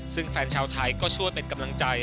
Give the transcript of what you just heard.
ซึ่งแฟนชาวไทยก็ช่วยเป็นกำลังใจ